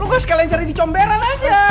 lo gak sekalian nyari di comberan aja